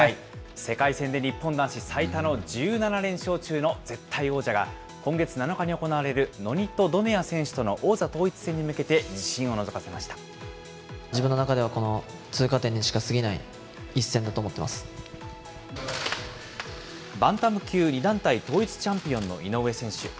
世界戦で日本男子最多の１７連勝中の絶対王者が、今月７日に行われるノニト・ドネア選手との王座統一戦に向けて自バンタム級、２団体統一チャンピオンの井上選手。